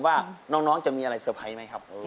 ว่าน้องจะมีอะไรเซอร์ไพรสไหมครับ